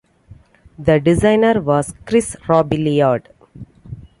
The designer was Chris Robilliard.